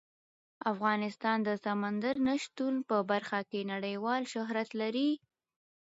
افغانستان د سمندر نه شتون په برخه کې نړیوال شهرت لري.